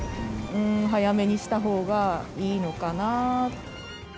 早めにしたほうがいいのかなって。